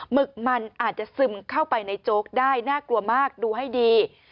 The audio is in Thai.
หึกมันอาจจะซึมเข้าไปในโจ๊กได้น่ากลัวมากดูให้ดี